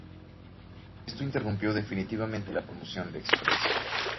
Esto interrumpió definitivamente la promoción de Express.